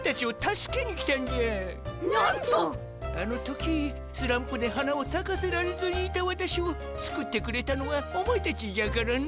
あの時スランプで花をさかせられずにいたわたしをすくってくれたのはお前たちじゃからの。